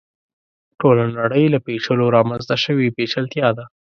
ټوله نړۍ له پېچلو رامنځته شوې پېچلتیا ده.